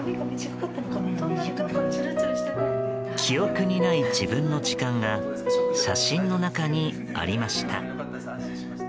記憶にない自分の時間が写真の中にありました。